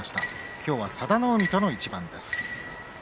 今日は佐田の海との一番です。